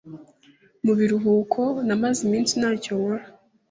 Mu biruhuko, namaze iminsi ntacyo nkora.